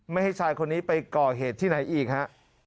ไม่ให้ชายคนนี้ไปก่อเหตุที่ไหนอีกฮะ